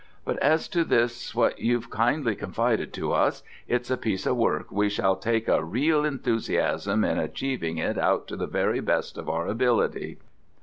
But as to this, what you've kindly confided to us, it's a piece of work we shall take a reel enthusiasm in achieving it out to the very best of our ability.